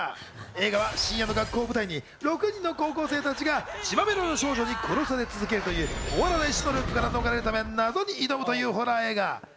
映画は深夜の学校を舞台に６人の高校生たちが血まみれの少女に殺され続けるという終わらない死のループから逃れるため謎に挑むというホラー映画。